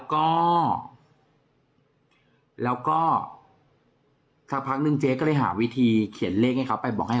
ก็แล้วก็สักพักนึงเจ๊ก็เลยหาวิธีเขียนเลขให้เขาไปบอกให้